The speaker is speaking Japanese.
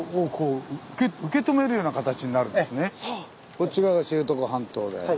こっち側が知床半島で。